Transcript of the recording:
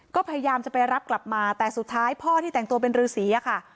ก็พยายามจะไปรับกลับมาแต่สุดท้ายพ่อที่แต่งตัวเป็นรือสีอะค่ะ